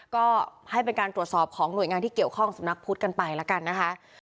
ก็ให้เป็นการตรวจสอบของหน่วยงานที่เกี่ยวข้องสำนักพุทธกันไปแล้วกันนะคะ